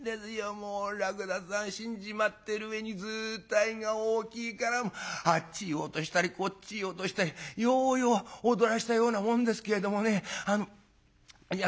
もうらくださん死んじまってる上に図体が大きいからあっちへ落としたりこっちへ落としたりようよう踊らせたようなもんですけれどもねいや